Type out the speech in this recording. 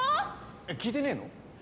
えっ聞いてねえの？